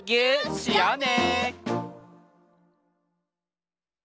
しようね！